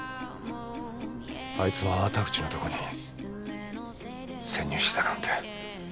あいつも粟田口のとこに潜入してたなんて。